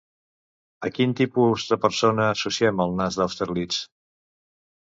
A quin tipus de persona associem el nas d'Austerlitz?